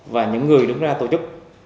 và những người đứng ra tổ chức